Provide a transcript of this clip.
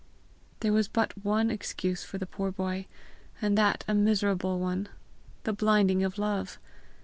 There was but one excuse for the poor boy and that a miserable one: the blinding of love!